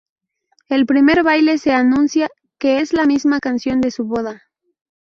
El primer baile se anuncia, que es la misma canción de su boda.